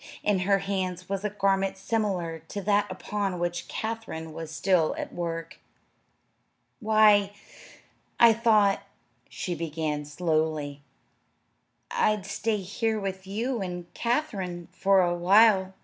In her hands was a garment similar to that upon which Katherine was still at work. "Why, I thought," she began slowly, "I'd stay here with you and Katherine a while."